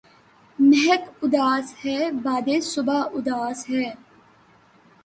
مہک اُداسی ہے، باد ِ صبا اُداسی ہے